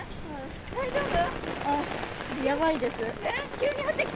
大丈夫？